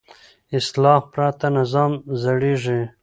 اصلاح پرته نظام زړېږي